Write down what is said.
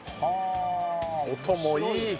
音もいい！